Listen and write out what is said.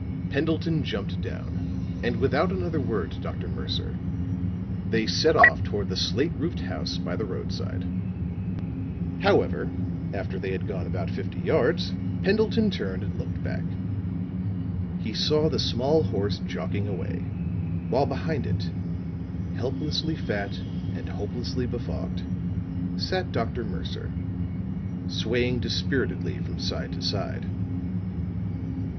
Pendleton jumped down, and without another word to Dr. Mercer, they set off toward the slate roofed house by the roadside. However, after they had gone about fifty yards, Pendleton turned and looked back. He saw the small horse jogging away, while behind it, helplessly fat and hopelessly befogged, sat Dr. Mercer, swaying dispiritedly from side to side.